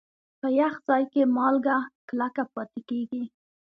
په یخ ځای کې مالګه کلکه پاتې کېږي.